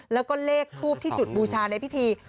แล้วก็เลขทูปที่จุดบูชาในพิธี